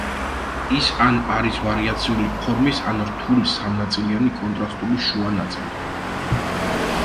ის ან არის ვარიაციული ფორმის, ან რთული სამნაწილიანი კონტრასტული შუა ნაწილით.